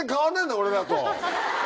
俺らと。